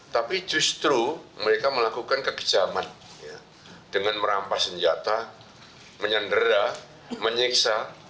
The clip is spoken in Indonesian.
tapi justru mereka melakukan kekejaman dengan merampas senjata menyandera menyiksa